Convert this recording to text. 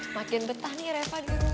makin betah nih rev lagi rumah